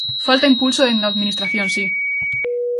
Falta impulso dende a administración, si.